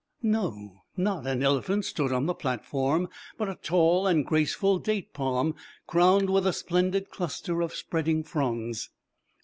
No; not an elephant stood on the platform, but a tall and graceful date palm, crowned with a splendid cluster of spreading fronds.